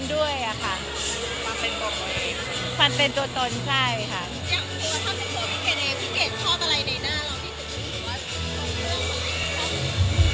อยากรู้ว่าถ้าเป็นคนพี่เกดเองพี่เกดพอบอะไรในหน้าเราที่สุดท้องเรียกว่าอะไรครับ